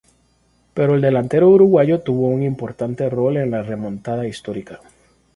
Pero el delantero uruguayo tuvo un importante rol en la remontada histórica.